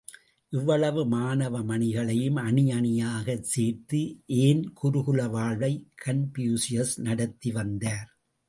இவ்வளவு மாணவ மணிகளையும் அணியணியாக சேர்த்து ஏன் குருகுல வாழ்வை கன்பூசியஸ் நடத்தி வந்தார்?